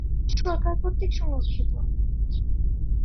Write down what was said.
এটি সরকার কর্তৃক সংরক্ষিত।